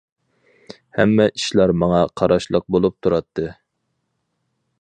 ھەممە ئىشلار ماڭا قاراشلىق بولۇپ تۇراتتى.